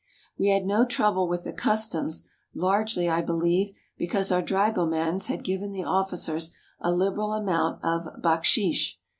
We had no trouble with the customs, largely, I believe, be cause our dragomans had given the officers a liberal amount of baksheesh.